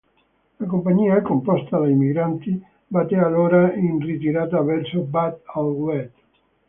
La compagnia, composta da immigrati, batté allora in ritirata verso Bab al-Wed.